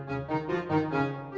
ini mbak mbak ketinggalan